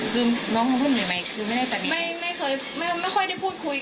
คือเคยเห็นหน้าเคยไม่เคยได้พูดคุย